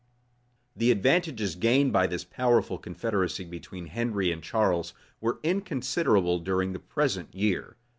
The advantages gained by this powerful confederacy between Henry and Charles, were inconsiderable during the present year.